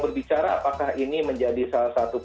berbicara apakah ini menjadi salah satu